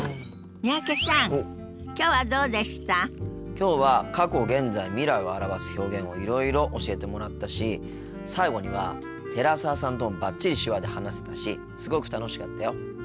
きょうは過去現在未来を表す表現をいろいろ教えてもらったし最後には寺澤さんともバッチリ手話で話せたしすごく楽しかったよ。